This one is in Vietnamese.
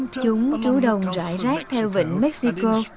chúng trú đồng rải rác theo vịnh mexico